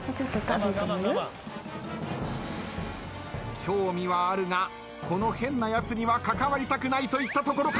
興味はあるがこの変なやつには関わりたくないといったところか。